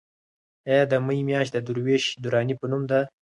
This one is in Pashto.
ایا د مې میاشت د درویش دراني په نوم ده؟